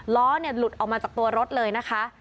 ล้อหลุดออกมาจากตัวรถเลยนะคะ